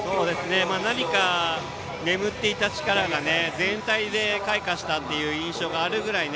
何か眠っていた力が全体で開花したという印象があるぐらい